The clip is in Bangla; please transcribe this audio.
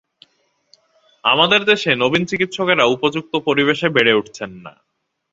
আমাদের দেশে নবীন চিকিৎসকেরা উপযুক্ত পরিবেশে বেড়ে উঠছেন না।